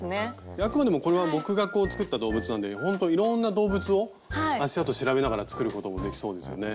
あくまでもこれは僕が作った動物なんでほんといろんな動物を足あと調べながら作ることもできそうですよね。